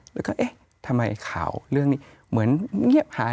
แล้วก็เอ๊ะทำไมข่าวเรื่องนี้เหมือนเงียบหาย